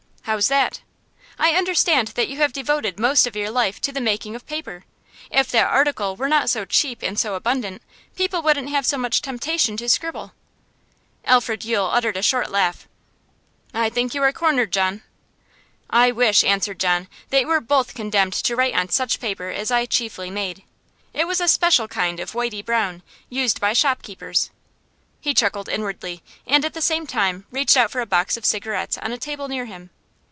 'How's that?' 'I understand that you have devoted most of your life to the making of paper. If that article were not so cheap and so abundant, people wouldn't have so much temptation to scribble.' Alfred Yule uttered a short laugh. 'I think you are cornered, John.' 'I wish,' answered John, 'that you were both condemned to write on such paper as I chiefly made; it was a special kind of whitey brown, used by shopkeepers.' He chuckled inwardly, and at the same time reached out for a box of cigarettes on a table near him.